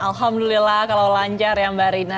alhamdulillah kalau lancar ya mbak rina